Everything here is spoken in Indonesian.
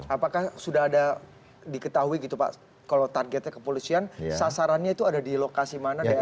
apakah sudah ada diketahui gitu pak kalau targetnya kepolisian sasarannya itu ada di lokasi mana